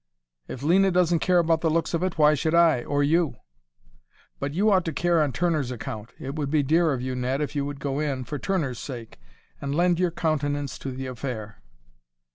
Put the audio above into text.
"If Lena doesn't care about the looks of it, why should I, or you?" "But you ought to care on Turner's account. It would be dear of you, Ned, if you would go in, for Turner's sake, and lend your countenance to the affair."